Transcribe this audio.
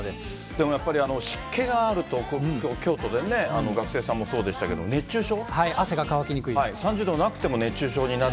でもやっぱり湿気があると、京都でね、学生さんもそうでしたけど、熱中症。